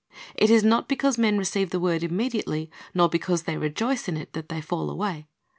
It is not because men receive the word immediately, nor because they rejoice in it, that they fall away.